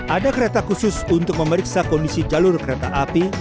ada kereta khusus untuk memeriksa kondisi jalur kereta api